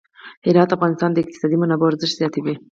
هرات د افغانستان د اقتصادي منابعو ارزښت زیاتوي.